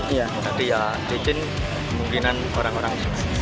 jadi ya izin kemungkinan orang orang